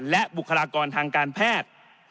และบุคลากรทางการแพทย์